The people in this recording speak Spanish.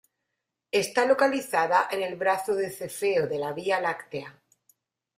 Está localizada en el brazo de Cefeo de la Vía Láctea.